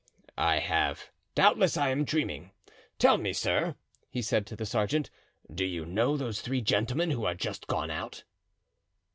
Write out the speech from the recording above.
"I have—doubtless I am dreaming; tell me, sir," he said to the sergeant, "do you know those three gentlemen who are just gone out?"